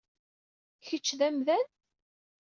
Kečč d amdan?